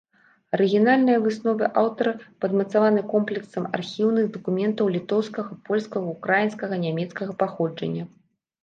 Арыгінальныя высновы аўтара падмацаваны комплексам архіўных дакументаў літоўскага, польскага, украінскага, нямецкага паходжання.